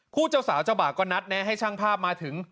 เจ้าสาวเจ้าบ่าก็นัดแนะให้ช่างภาพมาถึง